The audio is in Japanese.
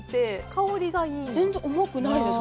香りがいいです。